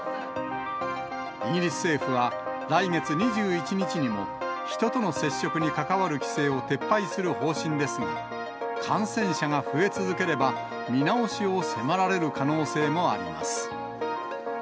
イギリス政府は、来月２１日にも人との接触に関わる規制を撤廃する方針ですが、感染者が増え続ければ、見直しを迫られる可能性もあります。